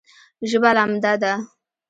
ژبه لمده ده